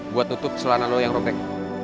buat tutup celana lo yang robek